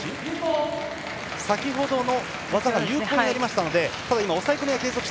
先ほどの技が有効になりましたのでただ、抑え込みは継続。